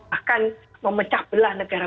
akan memecah belah negara